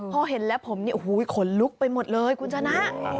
พอเห็นแล้วผมเนี่ยโอ้โหขนลุกไปหมดเลยคุณชนะ